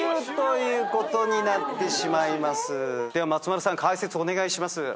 では松丸さん解説お願いします。